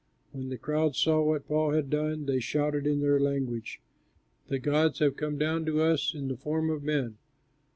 When the crowds saw what Paul had done, they shouted in their language, "The gods have come down to us in the form of men!"